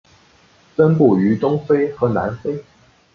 分布于东非和南非。